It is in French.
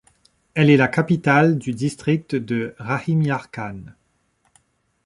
Elle est la capitale du district de Rahim Yar Khan.